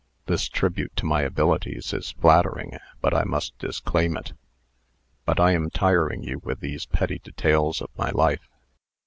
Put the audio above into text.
This tribute to my abilities is flattering, but I must disclaim it. But I am tiring you with these petty details of my life."